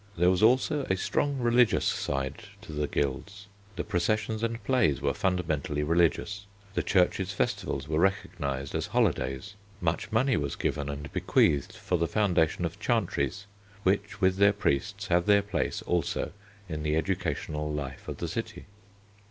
There was also a strong religious side to the guilds. The processions and plays were fundamentally religious. The Church's festivals were recognised as holidays. Much money was given and bequeathed for the foundation of chantries, which with their priests have their place also in the educational life of the city.